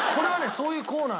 そういうコーナーなの。